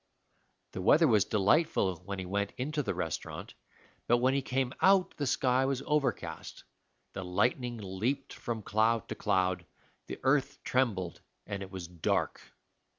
The weather was delightful when he went into the restaurant, but when he came out the sky was overcast, the lightning leaped from cloud to cloud, the earth trembled, and it was dark.